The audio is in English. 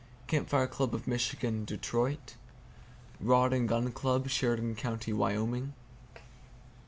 Camp Fire Club of Michigan, Detroit. Rod and Gun Club, Sheridan County, Wyoming.